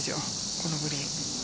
このグリーン。